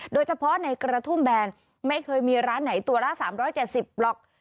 โดยเฉพาะในกระทุ่มแบนไม่เคยมีร้านไหนตัวละ๓๗๐หรอก